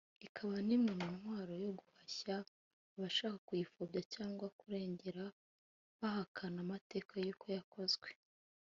ikaba n’imwe mu ntwaro yo guhashya abashaka kuyipfobya cyangwa kurengera bahakana amateka y’uko yakozwe